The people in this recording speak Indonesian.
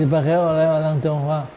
dipakai oleh orang tionghoa